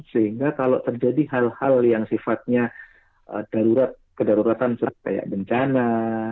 sehingga kalau terjadi hal hal yang sifatnya kedaruratan seperti bencana